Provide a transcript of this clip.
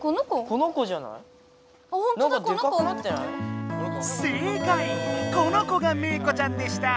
この子がメー子ちゃんでした！